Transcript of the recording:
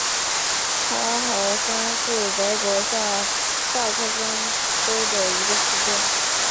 哈豪森是德国下萨克森州的一个市镇。